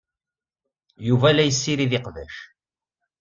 Yuba la yessirid iqbac.